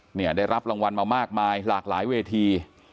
เนี่ยได้รับรางวัลมามากมายหลากหลายเวที